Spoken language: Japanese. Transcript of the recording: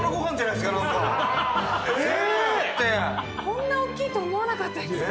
こんな大きいと思わなかったです。